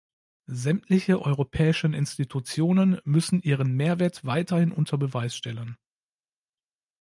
Sämtliche europäischen Institutionen müssen ihren Mehrwert weiterhin unter Beweis stellen.